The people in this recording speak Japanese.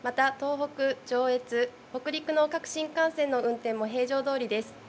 また、東北、上越、北陸の各新幹線の運転も平常どおりです。